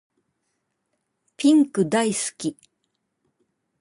ピンク大好き